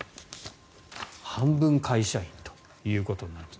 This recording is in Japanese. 半分会社員ということになります。